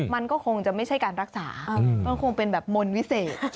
มันก็คงจะไม่ใช่การรักษามันคงเป็นแบบมนต์วิเศษ